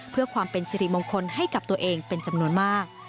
เพื่อความเป็นสิริมงคลให้กับตัวเองเป็นจำนวนมาก